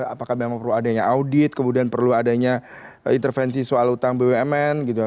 apakah memang perlu adanya audit kemudian perlu adanya intervensi soal utang bumn gitu